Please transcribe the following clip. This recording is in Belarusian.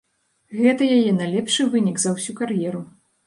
Гэта яе найлепшы вынік за ўсю кар'еру.